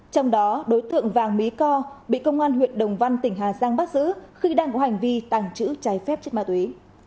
trong đó đối tượng vàng mỹ co bị công an huyện đồng văn tỉnh hà giang bắt giữ khi đang có hành vi tàng trữ trái phép chất ma túy